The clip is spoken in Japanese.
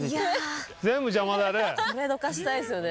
全部邪魔だね。